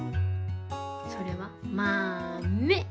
それは「まめ」。